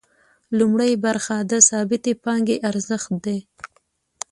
لومړۍ برخه د ثابتې پانګې ارزښت دی